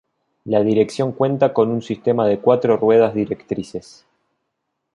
La dirección cuenta con un sistema de cuatro ruedas directrices.